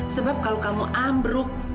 sebab kalau kamu ambruk